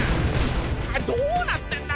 どうなってんだよ